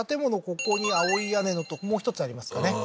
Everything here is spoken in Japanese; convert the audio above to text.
ここに青い屋根もう一つありますかね